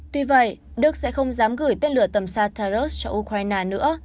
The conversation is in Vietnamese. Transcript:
tuy vậy đức sẽ không dám gửi tên lửa tầm xa taurus cho ukraine nữa